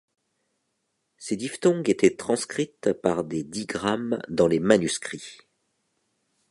Ces diphtongues étaient transcrites par des digrammes dans les manuscrits.